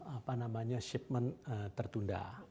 apa namanya shipment tertunda